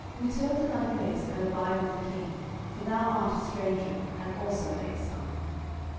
return to thy place, and abide with the king: for thou art a stranger, and also an exile.